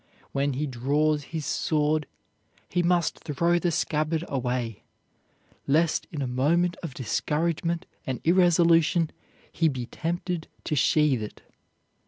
When he draws his sword he must throw the scabbard away, lest in a moment of discouragement and irresolution he be tempted to sheathe it.